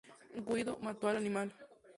Windu mató al animal.